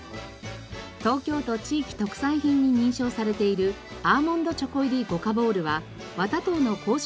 東京都地域特産品に認証されているアーモンド・チョコ入ごかぼーるはワタトーの公式